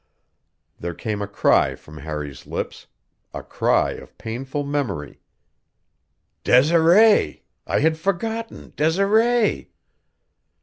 There came a cry from Harry's lips a cry of painful memory: "Desiree! I had forgotten, Desiree!"